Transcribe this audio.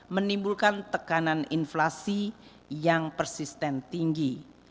menimbulkan tekanan inflasi yang persisten tinggi